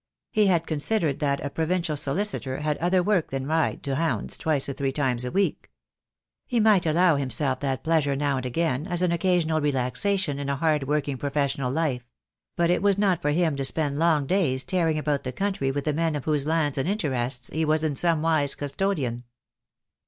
He had considered that a provincial solicitor had other work than to ride to hounds twice or three times a week. He might allow himself that pleasure now and again as an occasional relaxation in a hard working pro fessional life; but it was not for him to spend long days tearing about the country with the men of whose lands and interests he was in some wise custodian.